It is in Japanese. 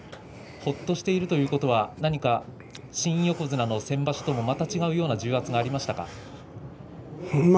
ほっとしているということは新横綱の先場所とはまた違うような重圧がありましたか。